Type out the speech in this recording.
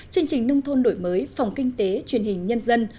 chương trình nông thôn đổi mới phòng kinh tế truyền hình nhân dân